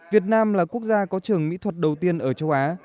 việt nam là quốc gia có trường mỹ thuật đầu tiên ở châu á